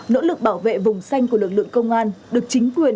nỗ lực bảo vệ vùng xanh của lực lượng công an được chính phủ đề bảo vệ